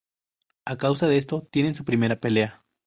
A causa de esto tienen su primera pelea.